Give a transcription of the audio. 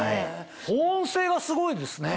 保温性がすごいですね。